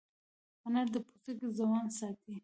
انار د پوستکي ځوانۍ ساتي.